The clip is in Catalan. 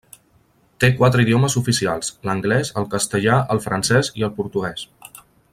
Té quatre idiomes oficials: l'anglès, el castellà, el francès i el portuguès.